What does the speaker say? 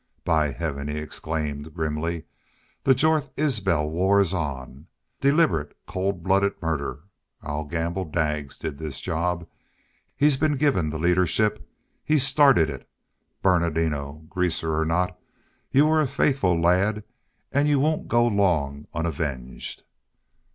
"By Heaven!" he exclaimed, grimly "the Jorth Isbel war is on! ... Deliberate, cold blooded murder! I'll gamble Daggs did this job. He's been given the leadership. He's started it.... Bernardino, greaser or not, you were a faithful lad, and you won't go long unavenged."